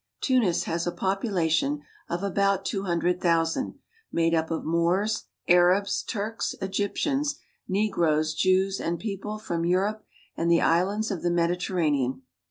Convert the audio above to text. Tunis has a popu lation of about two hundred thousand, made up of Mnors, Arabs, Turks, Ej^yp tians, negroes, Jews, and people from Ivu rope and the islands of the Mediterranean.